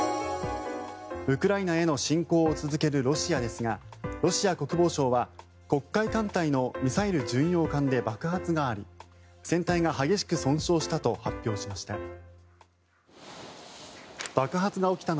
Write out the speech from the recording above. ウクライナへの侵攻を続けるロシアですがロシア国防省は黒海艦隊のミサイル巡洋艦で爆発があり船体が激しく損傷したと発表しました。